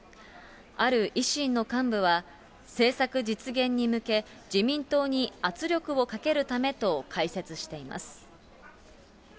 ある維新の幹部は、政策実現に向け、自民党に圧力をかけるためと解説しています。